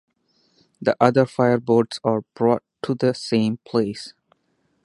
The other fireboards are brought to the same place.